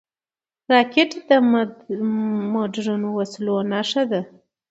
راکټ د مدرنو وسلو نښه ده